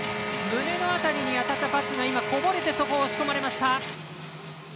胸の辺りに当たったパックがこぼれてそれを押し込まれました。